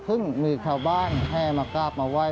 ซึ่งมีชาวบ้านแห่มากราบมาไหว้